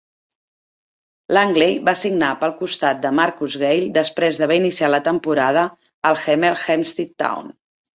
Langley va signar pel costat de Marcus Gayle després d'haver iniciat la temporada al Hemel Hempstead Town.